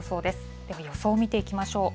では、予想を見ていきましょう。